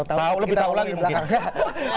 tau lebih tau lagi mungkin